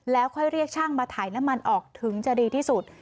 แล้วค่อยเรียกช่างมาถ่ายน้ำมันออกถึงจะดีที่สุด